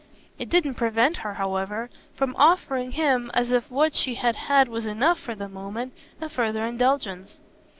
It didn't prevent her, however, from offering him, as if what she had had was enough for the moment, a further indulgence.